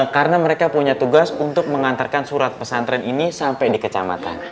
karena mereka punya tugas untuk mengantarkan surat pesantren ini sampai di kecamatan